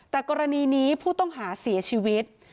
แต่กรณีนี้ผู้ต้องหาเสียชีวิต